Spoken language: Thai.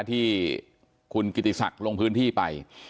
ที่คุณกิติศักดิ์ลงพื้นที่ไป